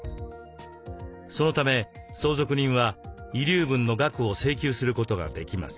そのため相続人は遺留分の額を請求することができます。